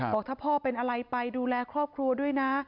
บอกถ้าพ่อเป็นอะไรไปดูแลครอบครัวด้วยนะ